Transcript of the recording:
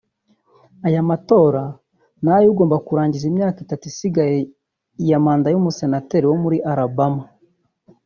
Aya matora ni ay’ugomba kurangiza imyaka itatu isigaye ya manda y’umusenateri wo muri Alabama